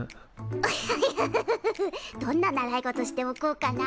ウヒヒヒヒヒどんな習い事しておこうかな。